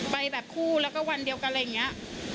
ไปแบบคู่แล้วก็วันเดียวกันอะไรอย่างนี้